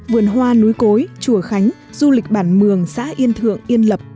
vườn hoa núi cối chùa khánh du lịch bản mường xã yên thượng yên lập